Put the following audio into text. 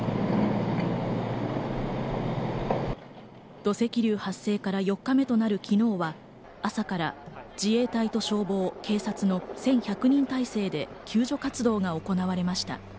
土石流発生から４日目となる昨日は、朝から自衛隊と消防、警察の１１００人態勢で救助活動が行われました。